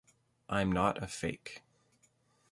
I'm not a fake.